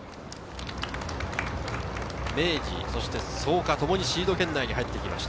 明治、創価、ともにシード圏内に入ってきました。